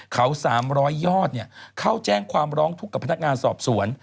เขา๓๐๐ยอดเข้าแจ้งความร้องทุกข์กับพนักงานสอบสวน